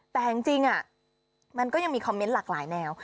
แต่จริงมันก็ยังมีคอมเมนต์หลากหลายแนว